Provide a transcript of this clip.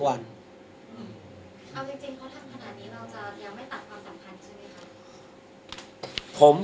เอาจริงเพราะทั้งขณะนี้เราจะยังไม่ตัดความสำคัญใช่ไหมครับ